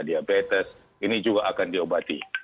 diabetes ini juga akan diobati